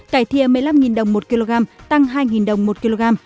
cải thia một mươi năm đồng một kg tăng hai đồng một kg